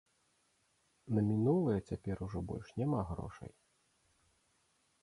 На мінулае цяпер ужо больш няма грошай.